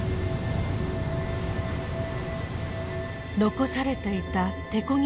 残されていた手こぎ